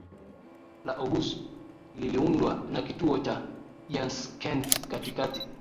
la Oguz liliundwa na kituo cha Yanskent Katikati